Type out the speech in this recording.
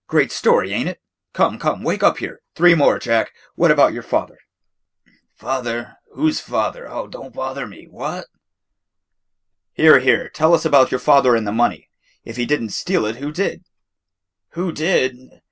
Great story, ain't it? Come, come, wake up here. Three more, Jack. What about your father?" "Father? Who's father. Oh, do' bother me. What?" "Here, here, tell us about your father and the money. If he did n't steal it, who did?" "Who did?